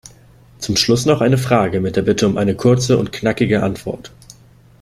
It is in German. Zum Schluss noch eine Frage mit der Bitte um eine kurze und knackige Antwort.